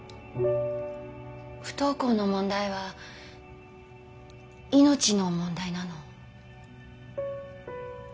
不登校の問題は命の問題なの。